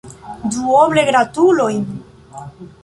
Duoble gratulojn!